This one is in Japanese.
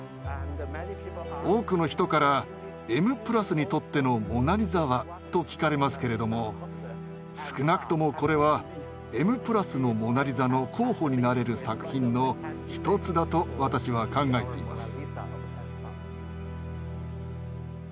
多くの人から「『Ｍ＋』にとっての『モナリザ』は？」と聞かれますけれども少なくともこれは「Ｍ＋」の「モナリザ」の候補になれる作品の一つだと私は考えています。